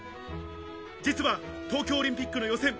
実は東京オリンピックの予選。